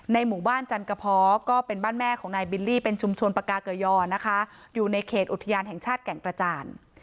หมู่บ้านจันกระเพาะก็เป็นบ้านแม่ของนายบิลลี่เป็นชุมชนปากาเกยอนะคะอยู่ในเขตอุทยานแห่งชาติแก่งกระจาน